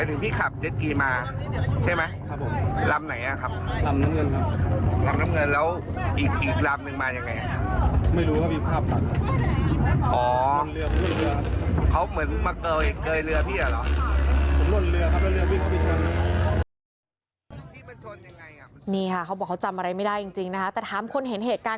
นี่ค่ะเขาบอกเขาจำอะไรไม่ได้จริงนะคะแต่ถามคนเห็นเหตุการณ์